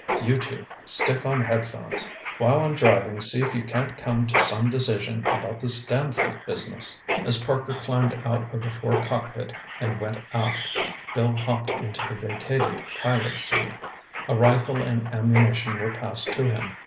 You two, stick on head phones. While I'm driving, see if you can't come to some decision about this Stamford business." As Parker climbed out of the fore cockpit and went aft, Bill hopped into the vacated pilot's seat. A rifle and ammunition were passed to him.